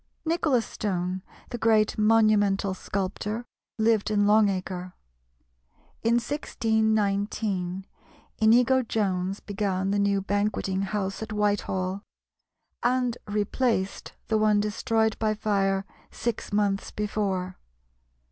Nicholas Stone, the great monumental sculptor, lived in Long Acre. In 1619 Inigo Jones began the new Banqueting House at Whitehall, and replaced the one destroyed by fire six months before.